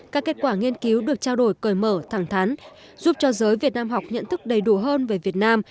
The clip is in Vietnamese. các kết quả nghiên cứu được trao đổi cởi mở thẳng thắn giúp cho giới việt nam học nhận thức đầy đủ hơn về việt nam